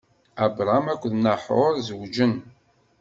Abṛam akked Naḥuṛ zewǧen.